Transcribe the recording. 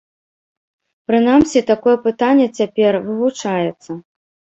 Прынамсі, такое пытанне цяпер вывучаецца.